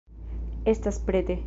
Estas prete.